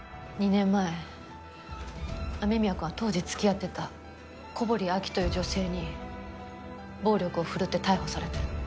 ２年前雨宮くんは当時付き合ってた古堀アキという女性に暴力を振るって逮捕されてる。